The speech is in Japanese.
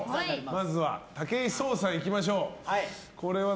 まずは、武井壮さんにいきましょう。